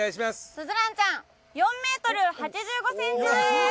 鈴蘭ちゃん４ｍ８５ｃｍです！